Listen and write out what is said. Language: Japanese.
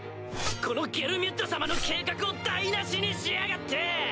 このゲルミュッド様の計画を台無しにしやがって！